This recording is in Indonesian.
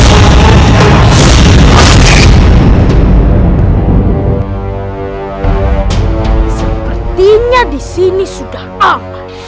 sepertinya disini sudah aman